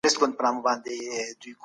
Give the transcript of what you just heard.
بې ځایه تمې نه پالل کېږي.